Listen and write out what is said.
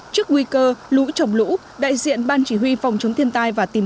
trước nguy cơ lũ trồng lũ đại diện ban chỉ huy phòng chống thiên tai và tìm